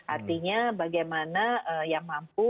artinya bagaimana yang mampu